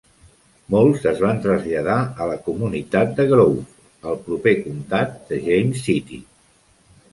Molts es van traslladar a la comunitat de Grove, al proper comtat de James City.